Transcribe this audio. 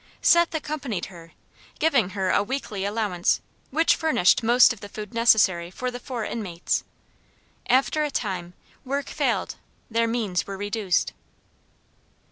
Seth accompanied her, giving her a weekly allowance which furnished most of the food necessary for the four inmates. After a time, work failed; their means were reduced.